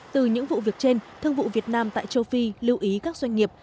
từ những vụ việc trên thương vụ việt nam tại châu phi lưu ý các doanh nghiệp